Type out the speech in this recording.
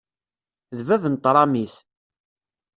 D bab n tṛamit.